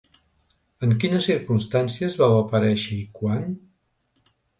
En quines circumstàncies vau aparèixer i quan?